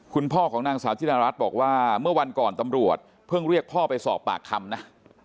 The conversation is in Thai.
คุณพ่อของนางสาวจินรัฐบอกว่าเมื่อวันก่อนตำรวจเพิ่งเรียกพ่อไปสอบปากคำนะ